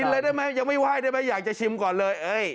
เลยได้ไหมยังไม่ไหว้ได้ไหมอยากจะชิมก่อนเลย